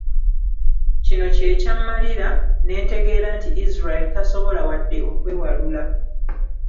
Kino kye kyammalira, ne ntegeera nti Israel tasobola wadde okwewalula.